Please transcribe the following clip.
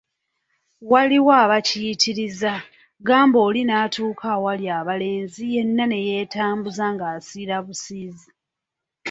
Waliwo abayitiriza, gamba oli n'atuuka awali abalenzi yenna ne yeetambuza ng'asiirabusiizi.